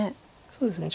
そうですね